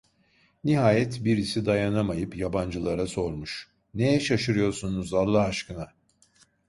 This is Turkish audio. Nihayet birisi dayanamayıp yabancılara sormuş: "Neye şaşırıyorsunuz Allah aşkına?"